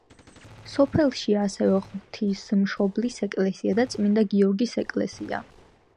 სოფელშია ასევე ღვთისმშობლის ეკლესია და წმინდა გიორგის ეკლესია.